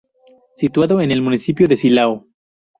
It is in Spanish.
Situado en el municipio de Silao.